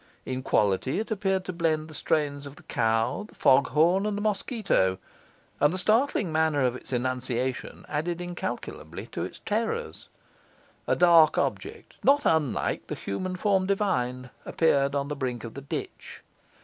In quality it appeared to blend the strains of the cow, the fog horn, and the mosquito; and the startling manner of its enunciation added incalculably to its terrors. A dark object, not unlike the human form divine, appeared on the brink of the ditch.